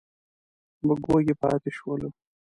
موږ وږي پاتې شولو.